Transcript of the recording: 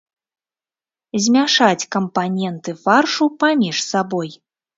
Змяшаць кампаненты фаршу паміж сабой.